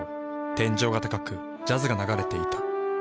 天井が高くジャズが流れていた。